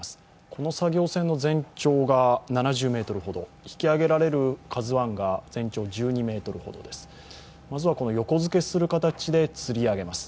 この作業船の全長が７０ｍほど、引き揚げられる「ＫＡＺＵⅠ」が全長１２ｍほどです。